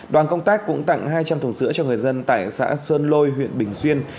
đoàn công tác cũng tặng hai trăm linh thùng sữa cho người dân tại xã sơn lôi huyện bình xuyên